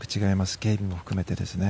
警備も含めてですね。